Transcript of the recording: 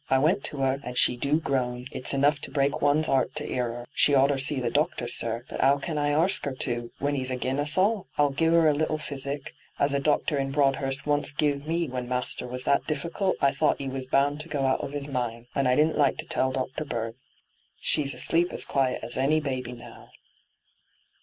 I went to 'er, and she do groan ; it's enough to break one's 'art to 'ear 'er. She oughter see the doctor, sir, but 'ow can I arsk 'er to, when he's s^in us all ? I've giv 'er a little physic, as a doctor in Broadhurst once giv me when master was that diflScult I thought 'e was bound to go out of 'is mind, and I didn't like to tell Dr. Bird. She's asleep as quiet as any baby now.